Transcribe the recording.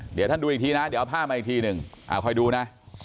เดี๋ยวท่านดูอีกทีนะเดี๋ยวเอาภาพมาอีกทีหนึ่งคอยดูนะ